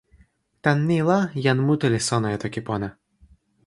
tan ni la, jan mute li sona e toki pona.